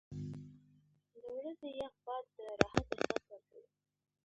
• د ورځې یخ باد د راحت احساس ورکوي.